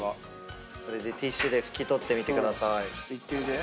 それでティッシュで拭き取ってみてください。